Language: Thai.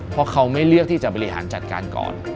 เพราะเขาไม่เลือกที่จะบริหารจัดการก่อน